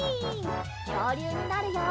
きょうりゅうになるよ！